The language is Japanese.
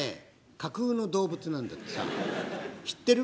架空の動物なんだってさ」。